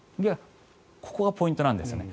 ここがポイントなんですね。